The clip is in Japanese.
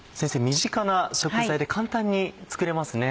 身近な食材で簡単に作れますね。